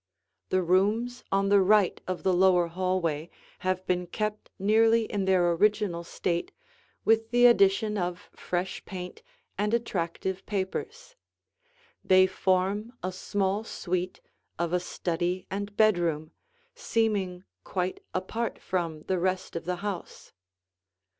The rooms on the right of the lower hallway have been kept nearly in their original state with the addition of fresh paint and attractive papers. They form a small suite of a study and bedroom, seeming quite apart from the rest of the house.